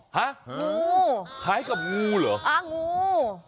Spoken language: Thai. ฮะงูคล้ายกับงูเหรออ่างู